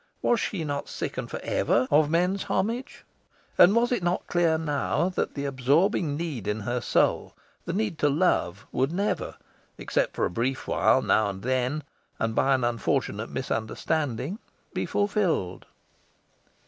Was she not sickened for ever of men's homage? And was it not clear now that the absorbing need in her soul, the need to love, would never except for a brief while, now and then, and by an unfortunate misunderstanding be fulfilled?